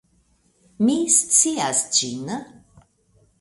Mi scias ĝin.